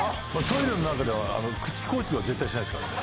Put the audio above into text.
トイレの中では口呼吸は絶対しないですからね。